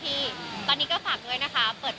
พี่แบบจะขายได้หรอ